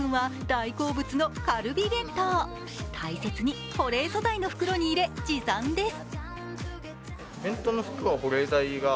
大切に保冷素材の袋に入れ持参です。